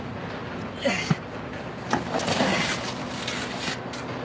よいしょ。